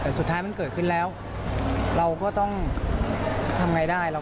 จะถามให้เขามาถาม